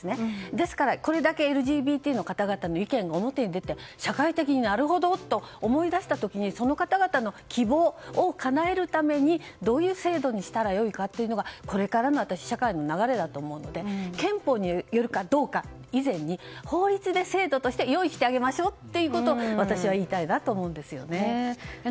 ですから、これだけＬＧＢＴの方々の意見が表に出て、社会的になるほどと思い出した時にその方々の希望をかなえるためにどういう制度にしたら良いかというのがこれからの社会の流れだと思うので憲法によるかどうか以前に法律で制度として用意してあげましょうということを私は言いたいなと思うんですよね。